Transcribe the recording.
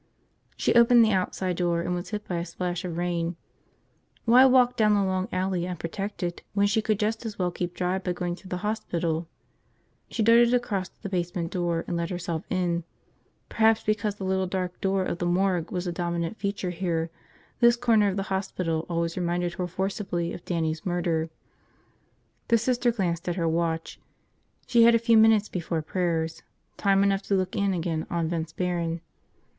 She opened the outside door and was hit by a splash of rain. Why walk down the long alley, unprotected, when she could just as well keep dry by going through the hospital? She darted across to the basement door and let herself in. Perhaps because the little dark door of the morgue was the dominant feature here, this corner of the hospital always reminded her forcibly of Dannie's murder. The Sister glanced at her watch. She had a few minutes before prayers, time enough to look in again on Vince Barron.